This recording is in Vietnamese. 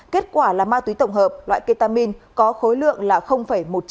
kết quả là ma túy tổng hợp loại ketamin có khối lượng một trăm ba mươi tám g